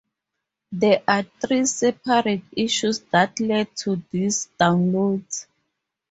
There are three separate issues that led to these downloads.